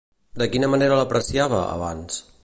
De quina manera l'apreciava, abans?